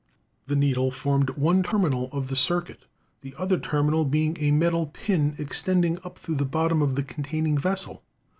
The needle formed one terminal of the circuit, the other terminal being a metal pin extending; up through the bottom of the containing vessel.